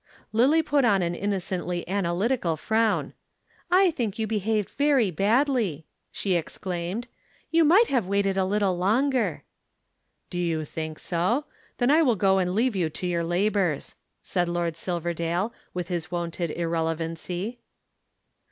Lillie put on an innocently analytical frown. "I think you behaved very badly," she exclaimed. "You might have waited a little longer." "Do you think so? Then I will go and leave you to your labors," said Lord Silverdale with his wonted irrelevancy.